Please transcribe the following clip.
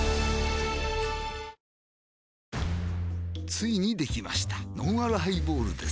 ついにできましたのんあるハイボールです